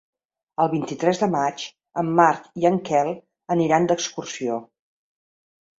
El vint-i-tres de maig en Marc i en Quel aniran d'excursió.